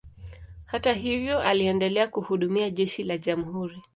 Hata hivyo, aliendelea kuhudumia jeshi la jamhuri.